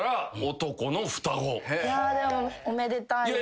でもおめでたいですね。